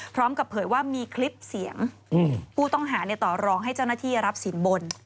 เผยว่ามีคลิปเสียงผู้ต้องหาต่อรองให้เจ้าหน้าที่รับสินบน